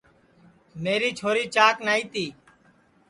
میری چھوری چاک نائی تی